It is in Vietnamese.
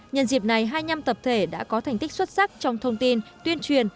nhân dịp này hai mươi năm tập thể đã có thành tích xuất sắc trong thông tin tuyên truyền